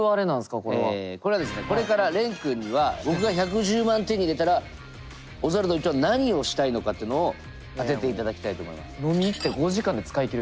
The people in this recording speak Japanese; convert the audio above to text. これはですねこれから廉君には僕が１１０万手に入れたらオズワルド伊藤は何をしたいのかってのを当てていただきたいと思います。